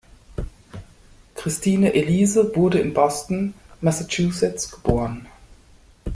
Christine Elise wurde in Boston, Massachusetts geboren.